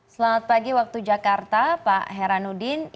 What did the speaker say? selamat pagi waktu jakarta pak heranuddin